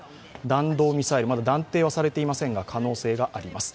弾道ミサイル、まだ断定はされていませんが可能性があります。